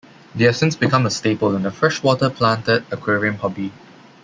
They have since become a staple in the freshwater planted aquarium hobby.